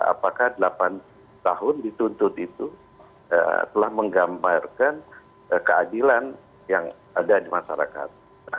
apakah delapan tahun dituntut itu telah menggambarkan keadilan yang ada di masyarakat